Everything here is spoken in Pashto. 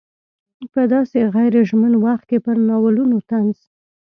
په داسې غیر ژمن وخت کې پر ناولونو طنز.